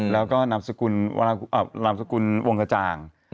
แล้วก็นามสกุลวงกัจจาง